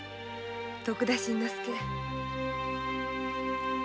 徳田新之助」